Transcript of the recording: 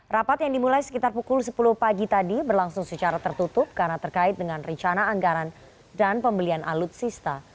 rapat yang dimulai sekitar pukul sepuluh pagi tadi berlangsung secara tertutup karena terkait dengan rencana anggaran dan pembelian alutsista